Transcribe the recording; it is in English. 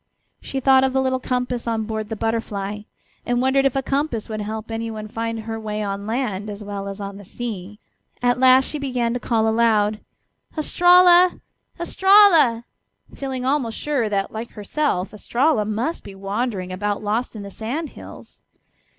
She thought of the little compass on board the Butterfly, and wondered if a compass would help anyone find her way on land as well as on the sea. At last she began to call aloud: "Estralla! Estralla!" feeling almost sure that, like herself, Estralla must be wandering about lost in the sand hills.